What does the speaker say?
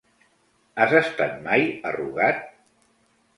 Has estat mai a Rugat?